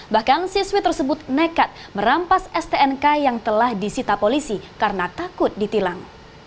bahkan siswi tersebut nekat merampas stnk yang telah disita polisi karena takut ditilang